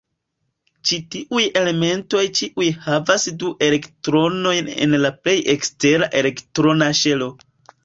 Ĉi-tiuj elementoj ĉiuj havas du elektronojn en la plej ekstera elektrona ŝelo.